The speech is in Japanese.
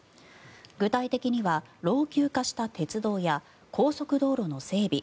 具体的には老朽化した鉄道や高速道路の整備